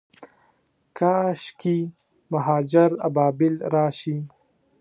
کاشکي، مهاجر ابابیل راشي